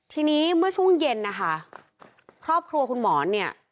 ทีนี้เมื่อช่วงเย็นนะคะครอบครัวคุณหมอนเนี่ย